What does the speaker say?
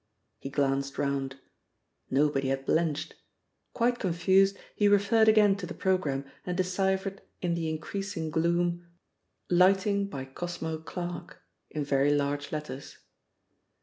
He glanced round. Nobody had blenched. Quite confused, he referred again to the programme and deciphered in the increasing gloom, "Lighting by Cosmo Clark," in very large letters.